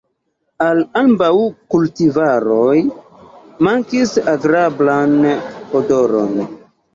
Al ambaŭ kultivaroj mankis agrablan odoron.